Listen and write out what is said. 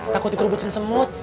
takut dikerubutin semut